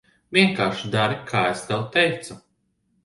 Vienkārši dari, kā es tev teicu.